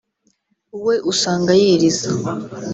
we usanga yiriza